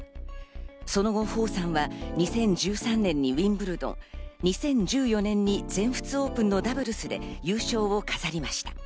その後、ホウさんは２０１３年にウィンブルドン、２０１４年に全仏オープンのダブルスで優勝を飾りました。